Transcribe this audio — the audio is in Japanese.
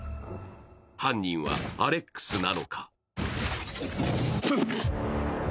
犯人はアレックスなのか。